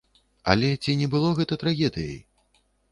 Але ці не было гэта трагедыяй?